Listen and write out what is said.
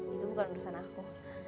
itu bukan urusan aku